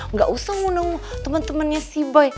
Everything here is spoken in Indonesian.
nggak usah ngundang temen temennya si boy